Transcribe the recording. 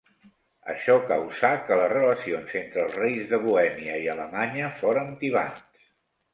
Això causà que les relacions entre els reis de Bohèmia i Alemanya foren tibants.